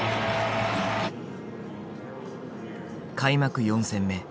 開幕４戦目。